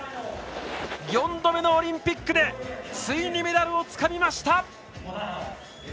４度目のオリンピックでついにメダルをつかみました。